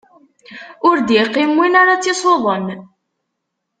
Ur d-iqqim win ar ad tt-isuḍen.